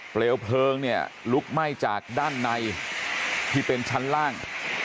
เปลวเพลิงเนี่ยลุกไหม้จากด้านในที่เป็นชั้นล่าง